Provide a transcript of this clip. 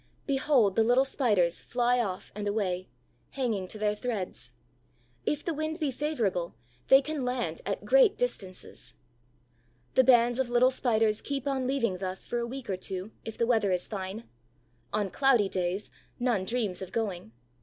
Behold the little Spiders fly off and away, hanging to their threads! If the wind be favorable, they can land at great distances. The bands of little Spiders keep on leaving thus for a week or two, if the weather is fine. On cloudy days, none dreams of going.